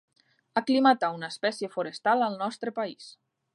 Aclimatar una espècie forestal al nostre país.